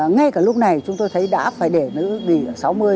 ngay cả lúc này chúng tôi thấy đã phải để nữ nghỉ ở sáu mươi